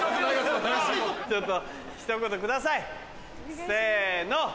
ちょっとひと言くださいせの。